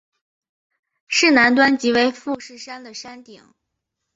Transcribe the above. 市南端即为富士山的山顶。